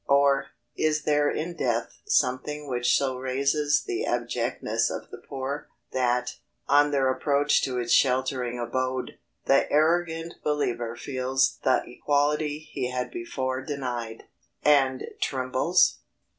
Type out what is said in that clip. Or, is there in death something which so raises the abjectness of the poor, that, on their approach to its sheltering abode, the arrogant believer feels the equality he had before denied, and trembles?